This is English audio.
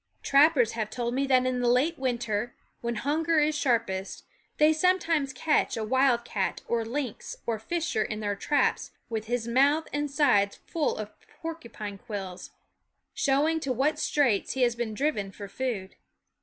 Trappers have told me that in the late winter, when hunger is 2 3 o l/nk W SCHOOL Of sharpest, they sometimes catch a wild cat or lynx or fisher in their traps with his mouth and sides full of porcupine quills, showing to what straits he had been driven for food.